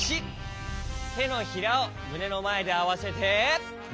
てのひらをむねのまえであわせて。